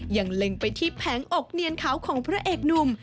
เล็งไปที่แผงอกเนียนเขาของพระเอกหนุ่ม